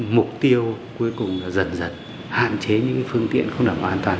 mục tiêu cuối cùng là dần dần hạn chế những cái phương tiện không đảm an toàn